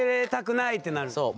そう。